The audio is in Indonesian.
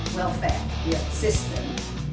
saya tak punya kesalahan